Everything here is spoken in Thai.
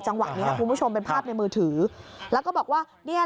วะนี้นะคุณผู้ชมเป็นภาพในมือถือแล้วก็บอกว่าเนี่ย